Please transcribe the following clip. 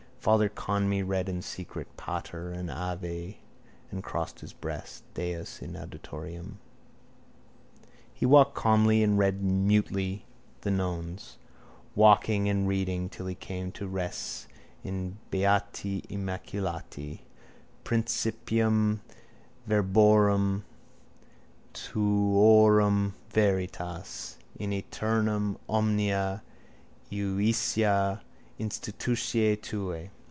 Father Conmee read in secret Pater and Ave and crossed his breast. Deus in adiutorium. He walked calmly and read mutely the nones, walking and reading till he came to Res in _Beati immaculati: Principium verborum tuorum veritas: in eternum omnia iudicia iustitiæ tuæ.